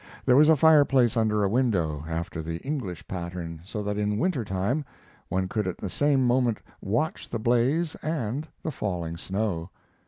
There was a fireplace under a window, after the English pattern, so that in winter time one could at the same moment watch the blaze and the falling snow.